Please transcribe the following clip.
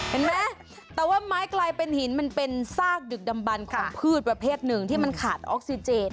เห็นไหมแต่ว่าไม้กลายเป็นหินมันเป็นซากดึกดำบันของพืชประเภทหนึ่งที่มันขาดออกซิเจน